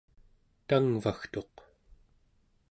tangvagtuq